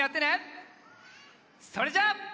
それじゃあ。